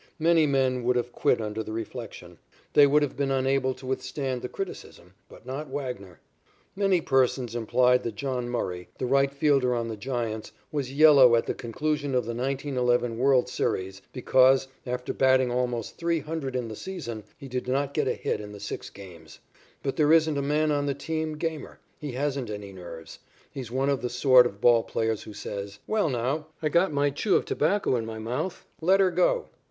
Many men would have quit under the reflection. They would have been unable to withstand the criticism, but not Wagner. Many persons implied that John Murray, the rightfielder on the Giants, was "yellow" at the conclusion of the 1911 world's series because, after batting almost three hundred in the season, he did not get a hit in the six games. But there isn't a man on the team gamer. He hasn't any nerves. He's one of the sort of ball players who says: "Well, now I've got my chew of tobacco in my mouth. Let her go."